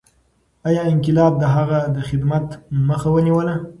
ایا انقلاب د هغه د خدمت مخه ونیوله؟